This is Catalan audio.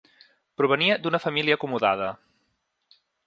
Provenia d'una família acomodada.